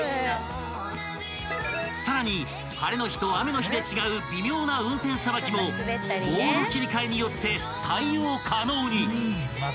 ［さらに晴れの日と雨の日で違う微妙な運転さばきもモード切り替えによって対応可能に］